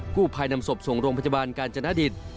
คู่พายนำศพส่งโรงพจบาลกาลจรณดิษฐ์